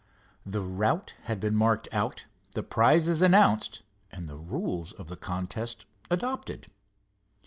The route had been marked out, the prizes announced and the rules of the contest adopted.